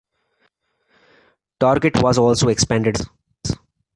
Target was also expanded in size.